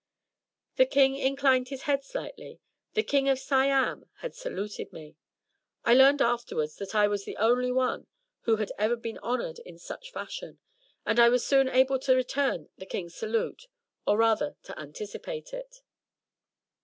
The King inclined his head slightly — The King of Siam had saluted me! (I learned afterwards that I was the only one who had ever been honored in such fashion. And I was soon able to return the King's salute, or rather to anticipate it.)